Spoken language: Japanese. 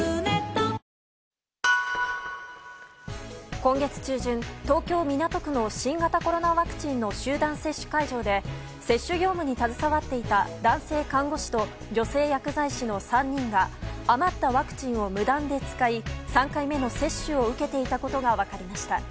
今月中旬、東京・港区の新型コロナワクチンの集団接種会場で接種業務に携わっていた男性看護師と女性薬剤師の３人が余ったワクチンを無断で使い、３回目の接種を受けていたことが分かりました。